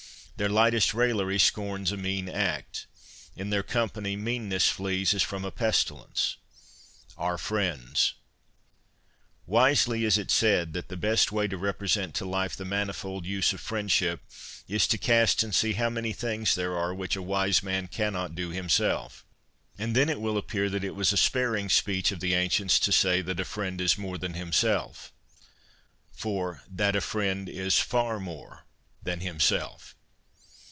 Their lightest raillery scorns a mean act. In their company meanness flees as from a pestilence. . Our friends ! Wisely is it said that the ' best way to represent to life the manifold use of friendship is to cast and see how many things there are which a wise man cannot do himself ; and then it will appear that it was a sparing speech of the ancients to say, " that a friend is more than himself ": for that a friend is far more than himself.'